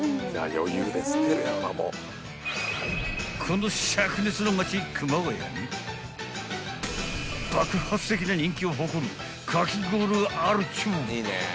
［この灼熱の街熊谷に爆発的な人気を誇るかき氷があるっちゅう］